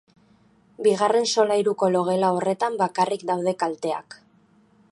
Bigarren solairuko logela horretan bakarrik daude kalteak.